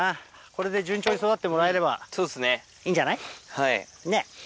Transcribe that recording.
これで順調に育ってもらえればいいんじゃないねっ。